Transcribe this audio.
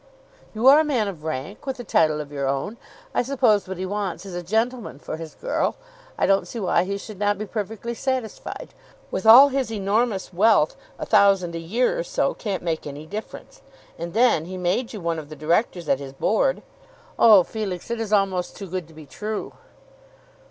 "You are a man of rank, with a title of your own. I suppose what he wants is a gentleman for his girl. I don't see why he should not be perfectly satisfied. With all his enormous wealth a thousand a year or so can't make any difference. And then he made you one of the Directors at his Board. Oh Felix; it is almost too good to be true."